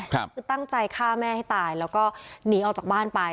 คือตั้งใจฆ่าแม่ให้ตายแล้วก็หนีออกจากบ้านไป